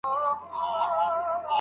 خلکو د خپلو تېروتنو د سمولو هڅه کوله.